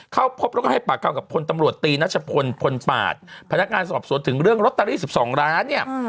เข้าพบแล้วก็ให้ปากคำกับพลตำรวจตีนัชพลพลปาดพนักงานสอบสวนถึงเรื่องลอตเตอรี่๑๒ล้านเนี่ย